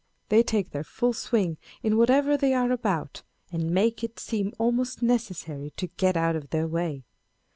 They take their full swing in whatever they are about, and make it seem almost necessary to get out of their way.